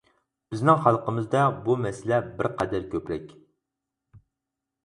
بىزنىڭ خەلقىمىزدە بۇ مەسىلە بىر قەدەر كۆپرەك.